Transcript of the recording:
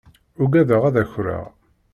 Ugadeɣ ad akreɣ.